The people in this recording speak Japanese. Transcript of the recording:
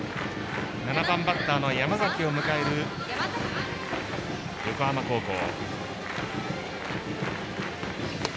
７番バッターの山崎を迎える横浜高校。